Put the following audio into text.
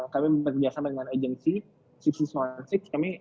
kami bekerjasama dengan agensi